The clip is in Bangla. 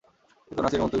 এ তো নাস্যির মতোই তুচ্ছ।